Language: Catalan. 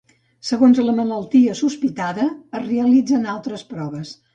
Segons la malaltia sospitada, es realitzen altres proves.